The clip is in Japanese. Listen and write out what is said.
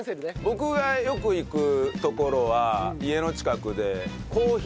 僕がよく行く所は家の近くで。